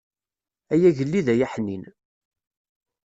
Ay agellid ay aḥnin.